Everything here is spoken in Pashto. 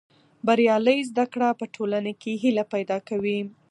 بریالۍ زده کړه په ټولنه کې هیله پیدا کوي.